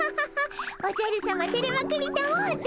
おじゃるさまてれまくりたもうて。